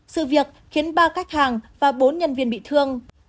sự việc khiến ba khách hàng và bốn nhân viên bị thương